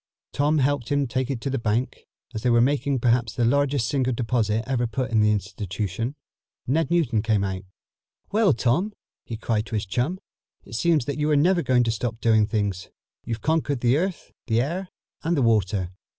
Tom helped him take it to the bank. As they were making perhaps the largest single deposit ever put in the institution, Ned Newton came out. "Well, Tom," he cried to his chum, "it seems that you are never going to stop doing things. You've conquered the air, the earth and the water."